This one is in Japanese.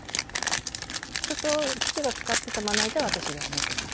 ずっと父が使っていたまな板は、私が持ってます。